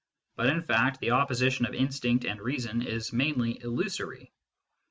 But in fact the opposi tion of instinct and reason is mainly illusory.